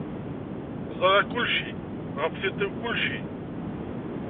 Ẓriɣ kullci, ɣef tiṭ-iw kullci.